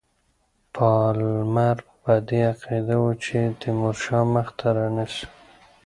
پالمر په دې عقیده وو چې تیمورشاه مخته رانه سي.